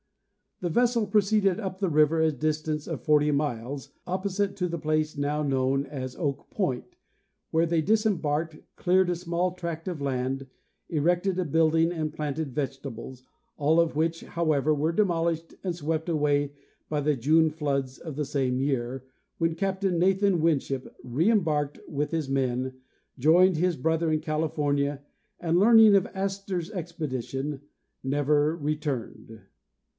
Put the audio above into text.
The vessel pro ceeded up the river a distance of forty miles, opposite to the place now known as Oakpoint, where they disembarked, cleared a small tract of land, erected a building and planted vegetables, all of which, however, were demolished and swept away by the June floods of the same year, when Captain Nathan Winship reémbarked with his men, joined his brother in California and, learning of Astor's expedition, never returned.